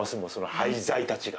廃材たちが。